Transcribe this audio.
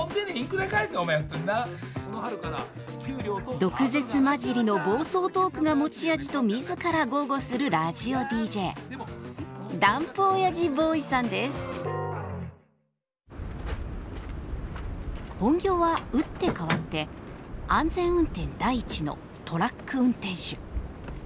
毒舌まじりの暴走トークが持ち味と自ら豪語するラジオＤＪ本業は打って変わって安全運転第一のトラック運転手。